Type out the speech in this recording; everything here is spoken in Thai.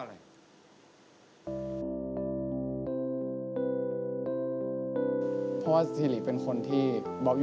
ฟงเหมือนพี่ไหมที่แบบว่า